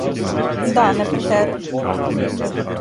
Да, не претеруј.